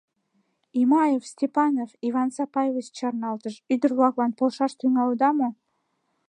— Имаев, Степанов, — Иван Сапаевич чарналтыш, — ӱдыр-влаклан полшаш тӱҥалыда мо?